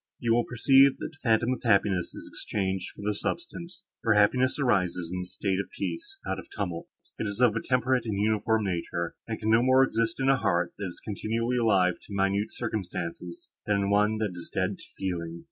You will perceive, that the phantom of happiness is exchanged for the substance; for happiness arises in a state of peace, not of tumult. It is of a temperate and uniform nature, and can no more exist in a heart, that is continually alive to minute circumstances, than in one that is dead to feeling.